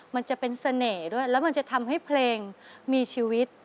มันจะเป็นเสน่ห์ด้วยแล้วมันจะทำให้เพลงมีชีวิต